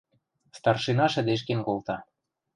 Старшина шӹдешкен колта.